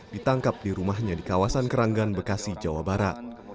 ditangkap di rumahnya di kawasan keranggan bekasi jawa barat